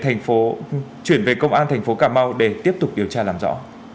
thành phố chuyển về công an thành phố cà mau để tiếp tục điều tra làm rõ